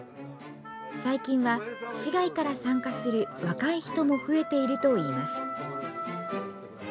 最近は、市外から参加する若い人も増えているといいます。